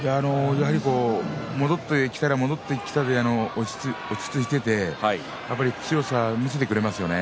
やはり戻ってきたら戻ってきたで落ち着いていてやっぱり強さを見せてくれますよね。